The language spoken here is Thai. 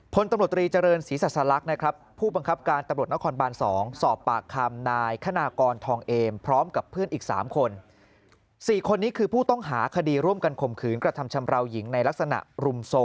พลตำรวจรีเจริญศรีษัตริย์สลักนะครับ